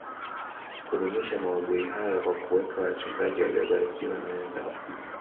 kudumisha mahubiri hayo kwa kuweka wachungaji waliobarikiwa na wenzao